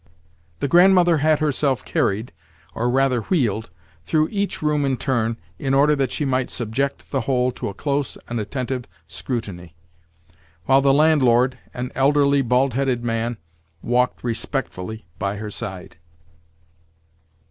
The Grandmother had herself carried—or, rather, wheeled—through each room in turn, in order that she might subject the whole to a close and attentive scrutiny; while the landlord—an elderly, bald headed man—walked respectfully by her side.